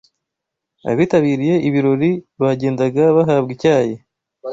abitabiriye ibirori bagendaga bahabwa icyayi